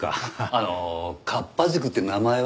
あの「河童塾」って名前は？